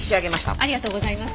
ありがとうございます。